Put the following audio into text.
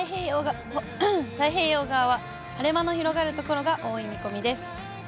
太平洋側は晴れ間の広がる所が多い見込みです。